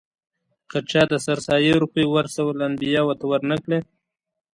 که چا د سرسایې روپۍ ورثه الانبیاوو ته ور نه کړې.